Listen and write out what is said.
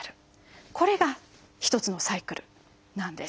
これが一つのサイクルなんです。